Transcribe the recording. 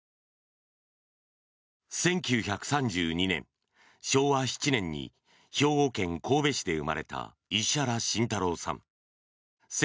１９３２年、昭和７年に兵庫県神戸市で生まれた石原慎太郎さん。